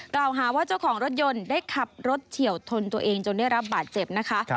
กล่าวหาว่าเจ้าของรถยนต์ได้ขับรถเฉียวชนตัวเองจนได้รับบาดเจ็บนะคะ